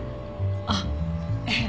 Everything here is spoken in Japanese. あっええ